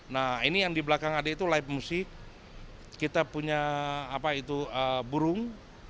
nah ini yang di belakang ade itu live music kita punya burung